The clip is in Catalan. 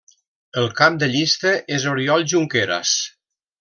El cap de llista és Oriol Junqueras.